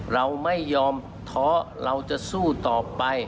เราไม่ยอมท้อเราจะสู้ต่อไป